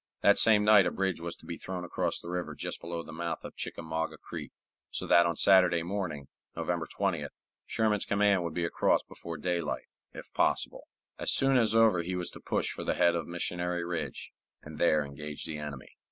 That same night a bridge was to be thrown across the river just below the mouth of Chickamauga Creek, so that on Saturday morning, November 20th, Sherman's command would be across before daylight, if possible. As soon as over he was to push for the head of Missionary Ridge, and there engage the enemy.